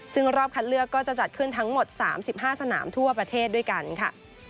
ซึ่งรอบคัดเลือกก็จะจัดขึ้นทั้งหมด๓๕สนามทั่วประเทศด้วยกันค่ะ